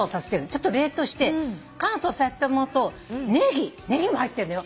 ちょっと冷凍して乾燥させたものとネギも入ってんだよ。